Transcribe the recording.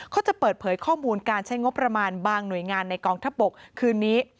จะเปิดเผยข้อมูลการใช้งบประมาณบางหน่วยงานในกองทัพบกคืนนี้